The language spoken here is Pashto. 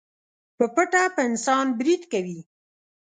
په پټه په انسان بريد کوي.